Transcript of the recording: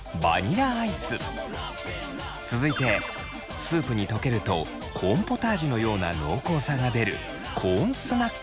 続いてスープに溶けるとコーンポタージュのような濃厚さが出るコーンスナック。